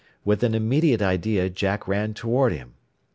With an immediate idea Jack ran toward him.